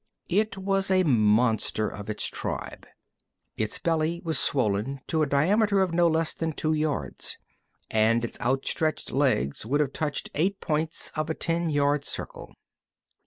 It was a monster of its tribe. Its belly was swollen to a diameter of no less than two yards, and its outstretched legs would have touched eight points of a ten yard circle.